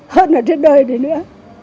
hết nợ trên đời đi nữa